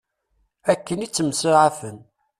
Akken i ttemsaɛafen.